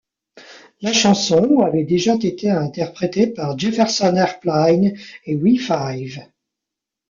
La chanson avait déjà été interprétée par Jefferson Airplane et We Five.